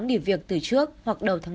đi việc từ trước hoặc đầu tháng năm